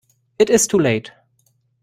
It is too late.